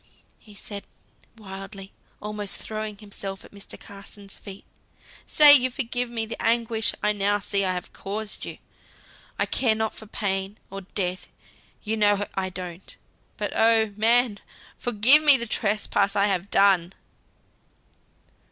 said he wildly, almost throwing himself at Mr. Carson's feet, "say you forgive me the anguish I now see I have caused you. I care not for pain, or death, you know I don't; but oh, man! forgive me the trespass I have done!"